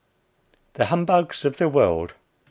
415 HUMBUGS OF THE WORLD. I.